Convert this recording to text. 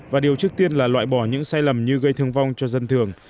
và điều trước tiên là loại bỏ những sai lầm như gây thương vong cho dân thường